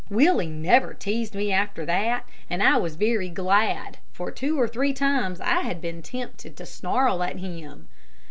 Willie never teased me after that, and I was very glad, for two or three times I had been tempted to snarl at him.